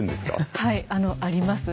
はいありますね。